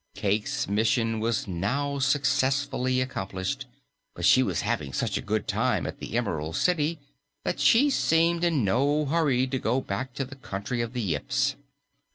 Cayke's mission was now successfully accomplished, but she was having such a good time at the Emerald City that she seemed in no hurry to go back to the Country of the Yips.